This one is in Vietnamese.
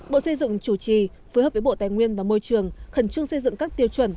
bộ xây dựng chủ trì phối hợp với bộ tài nguyên và môi trường khẩn trương xây dựng các tiêu chuẩn